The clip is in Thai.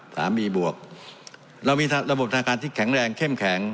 บวกเรามีระบบทางการที่แข็งแรงเข้มแข็ง